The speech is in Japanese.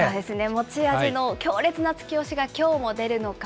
持ち味の強烈な突き押しがきょうも出るのか。